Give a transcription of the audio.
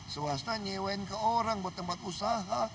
swasta nyewain ke orang buat tempat usaha